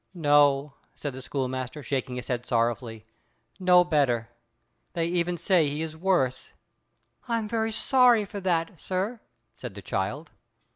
"No," said the schoolmaster, shaking his head sorrowfully. "No better. They even say he is worse." "I am very sorry for that, sir," said the child.